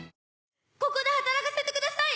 ここで働かせてください！